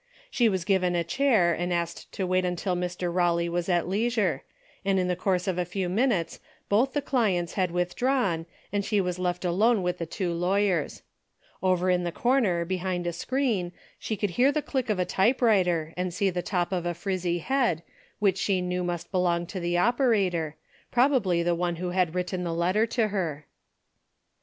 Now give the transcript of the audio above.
She was given a chair and asked to wait until Mr. Rawley was at 42 DAILY BATE.'^ 43 leisure, and in the course of a few minutes both the clients had withdrawn, and she was left alone with the two lawyers. Over in the corner behind a screen, she could hear the click of a typewriter and see the top of a frizzy head which she knew must belong to the operator, probably the one who had written the letter to her.